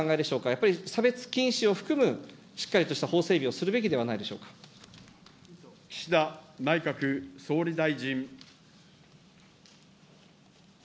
やっぱり差別禁止を含むしっかりとした法整備をするべきではない岸田内閣総理大臣。